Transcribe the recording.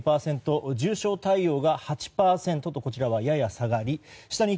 重症対応が８％とこちらはやや下がり